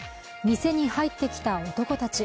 店に入ってきた男たち。